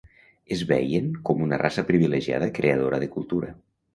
Es veien com una raça privilegiada creadora de cultura.